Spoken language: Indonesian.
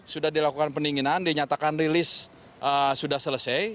sudah dilakukan pendinginan dinyatakan rilis sudah selesai